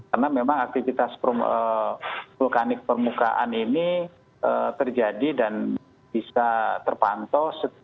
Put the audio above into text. karena memang aktivitas vulkanik permukaan ini terjadi dan bisa terpantau setiap ini